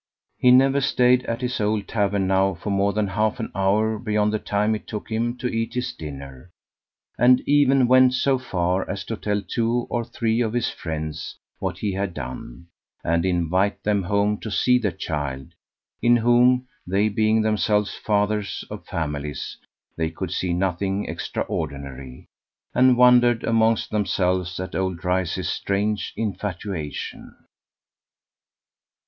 He never stayed at his old tavern now for more than half an hour beyond the time it took him to eat his dinner, and even went so far as to tell two or three of his friends what he had done, and invite them home to see the child, in whom they being themselves fathers of families they could see nothing extraordinary, and wondered amongst themselves at old Dryce's strange infatuation.